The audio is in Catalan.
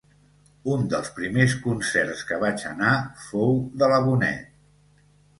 Un dels primers concerts que vaig anar fou de la Bonet